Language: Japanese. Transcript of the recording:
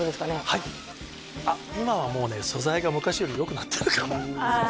はい今はもうね素材が昔よりよくなってるからああああ